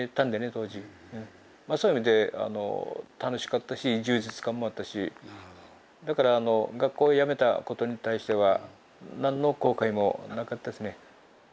そういう意味で楽しかったし充実感もあったしだから学校をやめたことに対しては何の後悔もなかったですね。